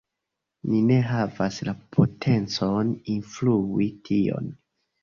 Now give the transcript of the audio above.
Ni ne havas la potencon influi tion.